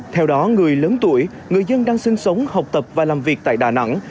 theo đó người lớn tuổi người dân đang sinh sống học tập và làm việc tại đà nẵng